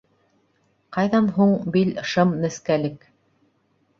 Ҡайҙан һуң бил шым нескәлек?